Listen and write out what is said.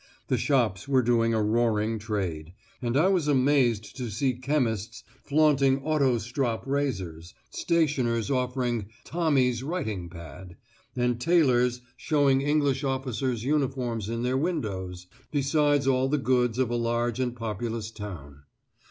The shops were doing a roaring trade, and I was amazed to see chemists flaunting auto strop razors, stationers offering "Tommy's writing pad," and tailors showing English officers' uniforms in their windows, besides all the goods of a large and populous town.